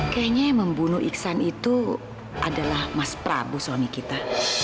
kayaknya yang membunuh iksan itu adalah mas prabu suami kita